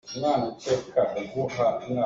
A nupi a ham tuk theng lo.